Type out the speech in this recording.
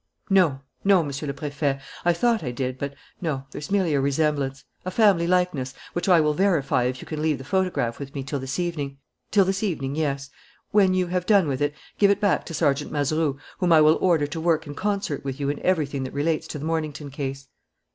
"No. No, Monsieur le Préfet. I thought I did; but no, there's merely a resemblance a family likeness, which I will verify if you can leave the photograph with me till this evening." "Till this evening, yes. When you have done with it, give it back to Sergeant Mazeroux, whom I will order to work in concert with you in everything that relates to the Mornington case."